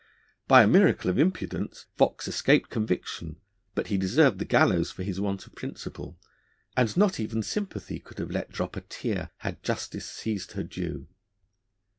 By a miracle of impudence Vaux escaped conviction, but he deserved the gallows for his want of principle, and not even sympathy could have let drop a tear, had justice seized her due.